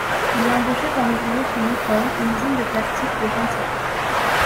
Il est embauché comme ouvrier chez Nicoll, une usine de plastique de Gentilly.